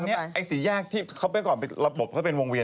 แต่ปัจจุบันนี้ศรีแยกที่เขาไปก่อนระบบเขาเป็นวงเวียน